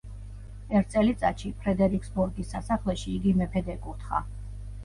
ერთ წელიწადში, ფრედერიკსბორგის სასახლეში იგი მეფედ ეკურთხა.